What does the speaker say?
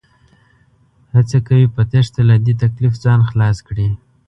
هڅه کوي په تېښته له دې تکليف ځان خلاص کړي